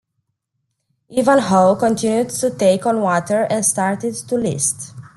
"Ivanhoe" continued to take on water and started to list.